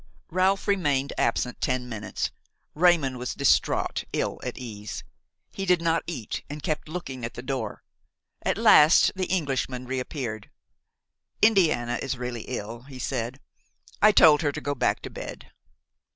Ralph remained absent ten minutes. Raymon was distraught, ill at ease. He did not eat and kept looking at the door. At last the Englishman reappeared. "Indiana is really ill," he said, "I told her to go back to bed."